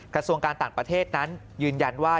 กระทรวงการต่างประเทศนั้นยืนยันว่า